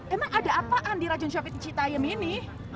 emang ada apaan di racun shopee citaiem ini